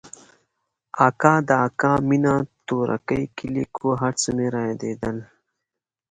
اکا د اکا مينه تورکى کلى کور هرڅه مې رايادېدل.